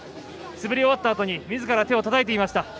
滑り終わったあとにみずから手をたたいていました。